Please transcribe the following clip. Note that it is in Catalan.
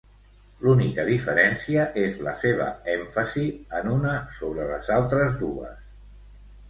L'única diferència és la seva èmfasi en una sobre les altres dues.